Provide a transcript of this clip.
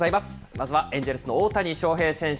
まずはエンジェルスの大谷翔平選手。